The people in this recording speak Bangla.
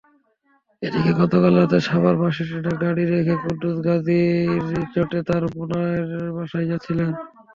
এদিকে গতকাল রাতে সাভার বাসস্ট্যান্ডে গাড়ি রেখে কুদ্দুস গাজীরচটে তাঁর বোনের বাসায় যাচ্ছিলেন।